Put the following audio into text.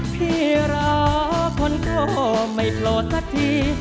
พี่รักคนก็ไม่โปรดซะที